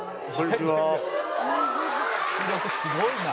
「すごいな」